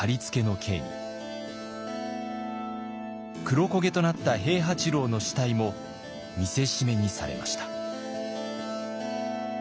黒焦げとなった平八郎の死体も見せしめにされました。